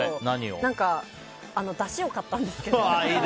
何か、だしを買ったんですけど。